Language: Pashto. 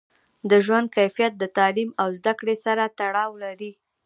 د ژوند کیفیت د تعلیم او زده کړې سره تړاو لري.